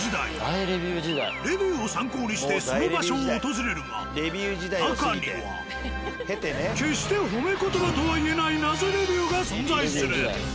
レビューを参考にしてその場所を訪れるが中には決して褒め言葉とはいえない謎レビューが存在する。